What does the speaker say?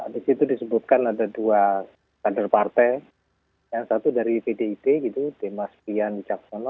di situ disebutkan ada dua kader partai yang satu dari pdip gitu demas pian caksono